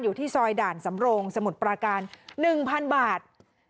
อยู่ที่ซอยด่านสำโรงสมุทรปราการ๑๐๐๐บาท